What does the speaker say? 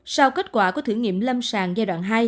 sau kết quả của thử nghiệm lâm sàng giai đoạn hai